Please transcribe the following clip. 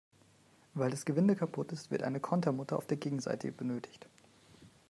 Weil das Gewinde kaputt ist, wird eine Kontermutter auf der Gegenseite benötigt.